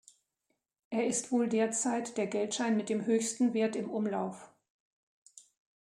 Er ist wohl derzeit der Geldschein mit dem höchsten Wert im Umlauf.